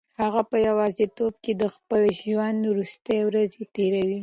هغه په یوازیتوب کې د خپل ژوند وروستۍ ورځې تېروي.